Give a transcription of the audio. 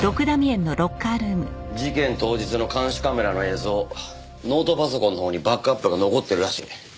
事件当日の監視カメラの映像ノートパソコンのほうにバックアップが残ってるらしい。